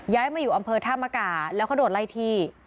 มาอยู่อำเภอธามกาแล้วเขาโดนไล่ที่